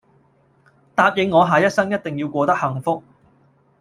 答應我下生一定要過得幸福